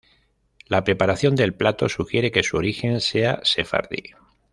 La preparación del plato sugiere que su origen sea sefardí.